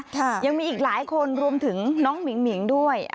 ยังมีอีกหลายคนรวมถึงน้องหมิ่งหิงด้วย